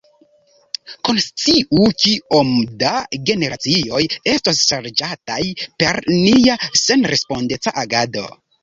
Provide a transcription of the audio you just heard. Konsciu, kiom da generacioj estos ŝarĝataj per nia senrespondeca agado.